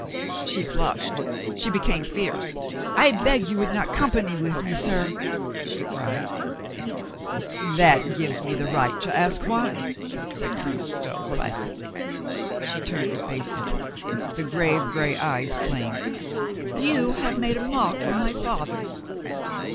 She flushed. She became fierce. "I beg you would not company with me, sir," she cried. "That gives me the right to ask why," said Colonel Stow placidly. She turned to face him. The grave gray eyes flamed. "You have made a mock of my father."